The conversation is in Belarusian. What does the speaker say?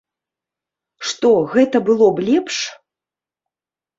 Што, гэта было б лепш?